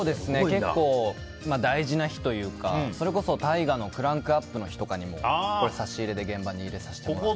結構、大事な日というかそれこそ、大河のクランクアップの日とかにも差し入れで現場に入れさせてもらって。